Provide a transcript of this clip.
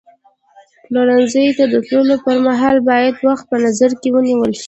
پلورنځي ته د تللو پر مهال باید وخت په نظر کې ونیول شي.